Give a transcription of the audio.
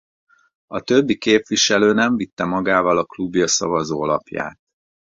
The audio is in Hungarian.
A többi képviselő nem vitte magával a klubja szavazólapját.